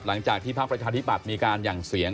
หลังจากที่ภาพกรรษฐธิบัตรมีการอย่างเสียง